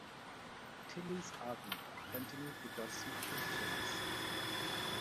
Tilly's army continued to pursue Christian's.